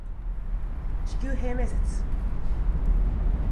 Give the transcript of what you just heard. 地球平面説